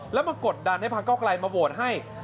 แล้วมากดดันให้พระเก้าไกลมาโหวตให้